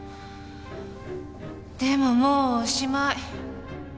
でももうおしまい。